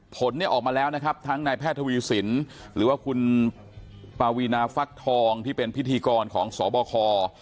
ผลเนี่ยออกมาแล้วนะครับทั้งนายแพทย์ทวีสินหรือว่าคุณปาวีนาฟักทองที่เป็นพิธีกรของสบค